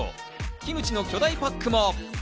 キムチの巨大パックも。